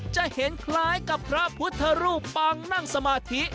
จะเห็นคล้ายกับพระพุทธรูปปังนั่งสมาธิ